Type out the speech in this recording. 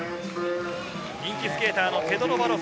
人気スケーターのペドロ・バロス。